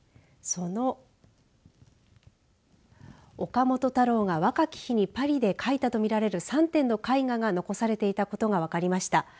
その岡本太郎が若き日にパリで描いたと見られる３点の絵画が残されていたことが分かりました。